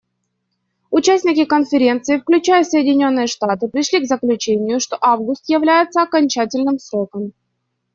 Участники Конференции, включая Соединенные Штаты, пришли к заключению, что август является окончательным сроком.